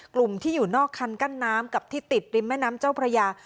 กลุ่มที่อยู่นอกคันกั้นน้ำกับที่ติดริมแม่น้ำเจ้าพระยา